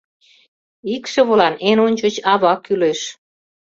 Икшывылан эн ончыч ава кӱлеш.